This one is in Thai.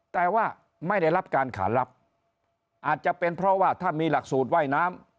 แต่ว่าไม่ได้รับการขารับอาจจะเป็นเพราะว่าถ้ามีหลักสูตรว่ายน้ำ